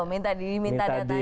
minta diri minta datanya